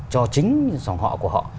cho chính dòng họ của họ